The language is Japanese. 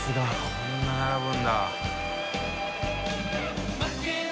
こんな並ぶんだ。